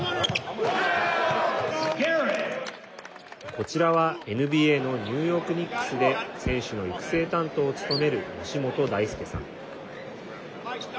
こちらはＮＢＡのニューヨーク・ニックスで選手の育成担当を務める吉本泰輔さん。